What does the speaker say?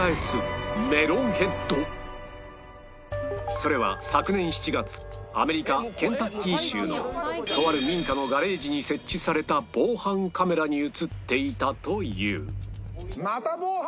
それは昨年７月アメリカケンタッキー州のとある民家のガレージに設置された防犯カメラに映っていたという